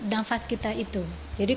nah atau dia